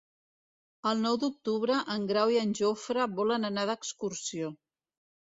El nou d'octubre en Grau i en Jofre volen anar d'excursió.